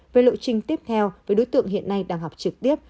về lộ trình tiếp theo với đối tượng hiện nay đang học trực tiếp